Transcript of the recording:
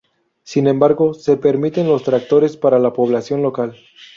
Sin embargo, se permiten los tractores para la población local.